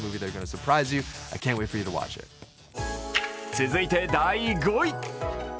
続いて第５位。